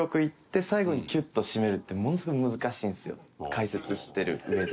解説してる上で。